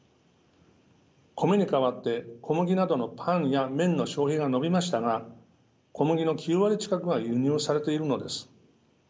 米に代わって小麦などのパンや麺の消費が伸びましたが小麦の９割近くが輸入されているのです。